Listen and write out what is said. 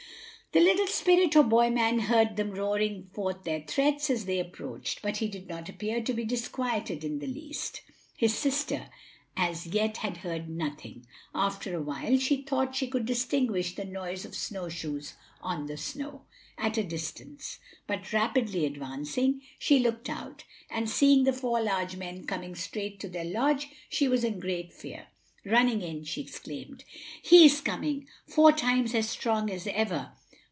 The little spirit or boy man heard them roaring forth their threats as they approached, but he did not appear to be disquieted in the least. His sister as yet had heard nothing; after a while she thought she could distinguish the noise of snowshoes on the snow, at a distance, but rapidly advancing. She looked out, and seeing the four large men coming straight to their lodge she was in great fear. Running in, she exclaimed: "He is coming, four times as strong as ever!"